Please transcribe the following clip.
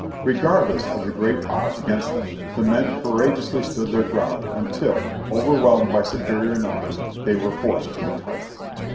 Regardless of the great odds against them the men courage ously stood their ground until, overwhelmed by superior numbers, they were forced to retire.